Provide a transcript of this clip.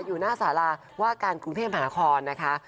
อยู่หน้าสาราว่าการกรุงเทพหาคอนนะคะ